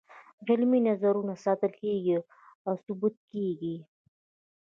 عملي نظرونه ساتل کیږي او ثبتیږي.